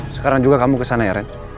sekarang juga kamu kesana ya ren